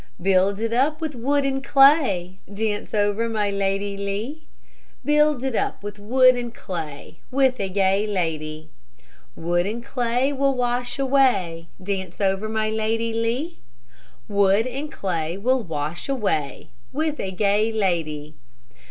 Build it up with wood and clay, Dance over my Lady Lee; Build it up with wood and clay, With a gay lady. Wood and clay will wash away, Dance over my Lady Lee; Wood and clay will wash away, With a gay lady.